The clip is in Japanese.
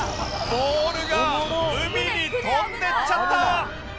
ボールが海に飛んでっちゃった！